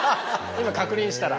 今確認したら。